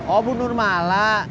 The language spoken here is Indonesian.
oh bu nur malah